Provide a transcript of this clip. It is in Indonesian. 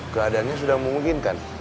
keadaannya sudah memungkinkan